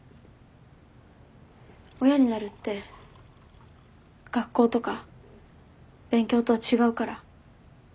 親になるって学校とか勉強とは違うから。